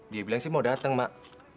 dia bilang sih mau datang mak